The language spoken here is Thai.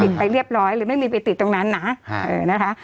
ไปเรียบร้อยหรือไม่มีไปติดตรงนั้นนะนะคะ